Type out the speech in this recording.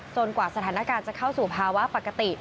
กว่าสถานการณ์จะเข้าสู่ภาวะปกติ